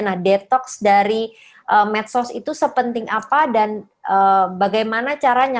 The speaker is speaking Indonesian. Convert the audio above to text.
nah detox dari medsos itu sepenting apa dan bagaimana caranya